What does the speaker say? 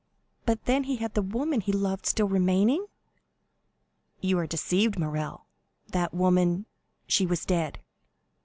"But then he had the woman he loved still remaining?" "You are deceived, Morrel, that woman——" "She was dead?"